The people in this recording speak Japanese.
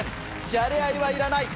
じゃれ合いはいらない